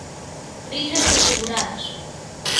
Risas aseguradas.